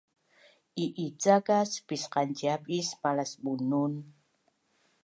I’icakas pisqanciap is malasBunun?